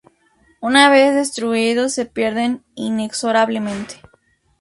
Una vez destruidos, se pierden inexorablemente.